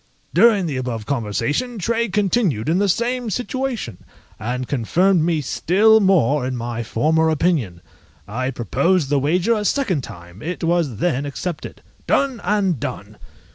During the above conversation Tray continued in the same situation, and confirmed me still more in my former opinion. I proposed the wager a second time, it was then accepted. Done! and done!